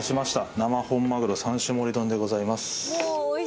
生本マグロ三種盛り丼でございます。